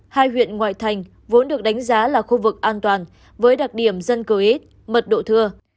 hai huyện ngoại thành vốn được đánh giá là khu vực an toàn với đặc điểm dân cư ít mật độ thưa